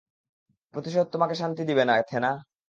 প্রতিশোধ তোমাকে শান্তি দিবে না, থেনা।